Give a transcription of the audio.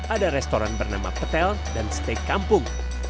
ada restoran bernama petel dan steak kampung